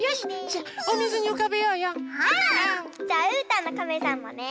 じゃあうーたんのカメさんもね。